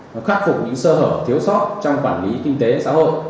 nó khắc phục những sơ hở thiếu sót trong quản lý kinh tế xã hội